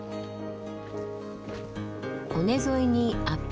尾根沿いにアップ